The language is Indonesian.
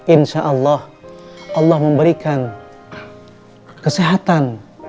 insyaallah allah memberikan kesehatan